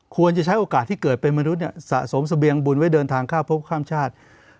ควรจะใช้โอกาสที่เกิดเป็นมนุษย์สะสมเสบียงบุญไว้เดินทางข้ามพบข้ามชาติ